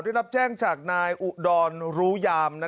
ได้รับแจ้งจากไมอุดอนรุยาม